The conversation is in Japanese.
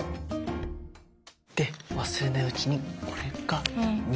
で忘れないうちにこれが２。